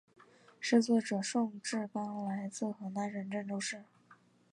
词作者宋志刚来自河南省郑州市。